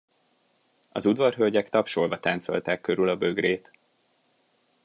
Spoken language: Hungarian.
Az udvarhölgyek tapsolva táncolták körül a bögrét.